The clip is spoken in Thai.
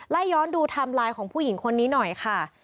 ไล่ย้อนดูไทม์ไลน์ของผู้หญิงคนนี้หน่อยค่ะ